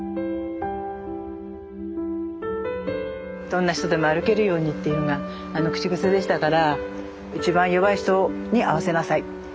どんな人でも歩けるようにっていうのが口癖でしたから一番弱い人に合わせなさい。